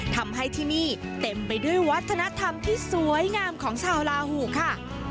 ทำให้ที่นี่เต็มไปด้วยวัฒนธรรมที่สวยงามของชาวลาหูค่ะ